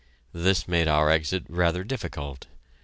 This made our exit rather difficult.